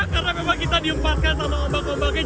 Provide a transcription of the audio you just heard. karena memang kita diumpaskan sama ombak ombaknya